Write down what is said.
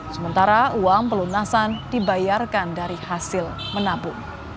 sementara uang pelunasan dibayarkan dari hasil menabung